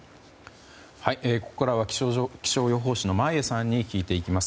ここからは気象予報士の眞家さんに聞いていきます。